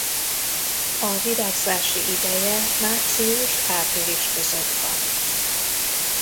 A virágzási ideje március–április között van.